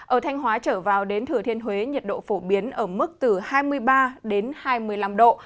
ở thanh hóa trở vào đến thừa thiên huế nhiệt độ phổ biến ở mức từ hai mươi ba hai mươi năm độ